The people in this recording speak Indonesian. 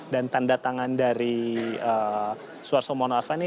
dan tanda tangan dari suarso mono arva ini